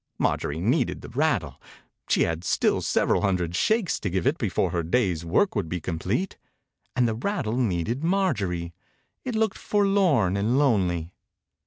Maijorie needed the rattle. She had still several hundred shakes to give it before her day's work would be com plete. And the rattle needed Marjorie; it looked forlorn and lonely.